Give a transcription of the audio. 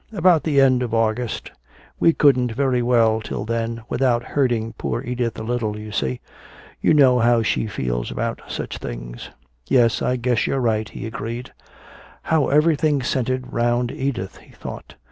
"About the end of August. We couldn't very well till then, without hurting poor Edith a little, you see. You know how she feels about such things " "Yes, I guess you're right," he agreed. How everything centered 'round Edith, he thought.